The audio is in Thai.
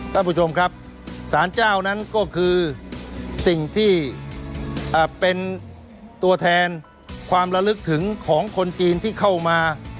ท่านประธานสารเจ้านั้นก็คือสิ่งที่เป็นตัวแทนความระลึกถึงของคนจีนที่เข้ามา